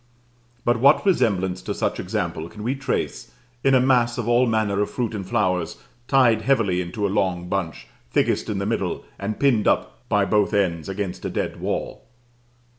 But what resemblance to such example can we trace in a mass of all manner of fruit and flowers, tied heavily into a long bunch, thickest in the middle, and pinned up by both ends against a dead wall?